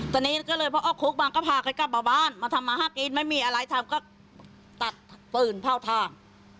สำคัญจริงสะสะตัดปืนพ่าวทาง